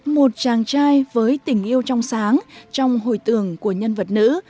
một chàng trai với tình yêu trong sáng trong hồi tường của nhân vật nữ